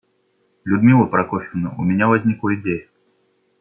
Людмила Прокофьевна, у меня возникла идея.